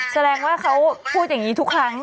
แสดงว่าเขาพูดอย่างนี้ทุกครั้ง